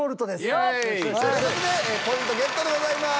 という事でポイントゲットでございます。